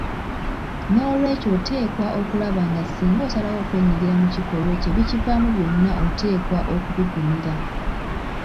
Noolwekyo oteekwa okulaba nga singa osalawo okwenyigira mu kikolwa ekyo ebikivaamu byonna oteekwa okubigumira.